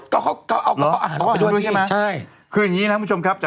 เอากระเพาะอาหารเอาไปด้วยใช่ไหม